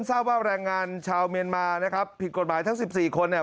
ทราบว่าแรงงานชาวเมียนมานะครับผิดกฎหมายทั้ง๑๔คนเนี่ย